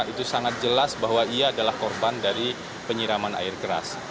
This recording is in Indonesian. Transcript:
itu sangat jelas bahwa ia adalah korban dari penyiraman air keras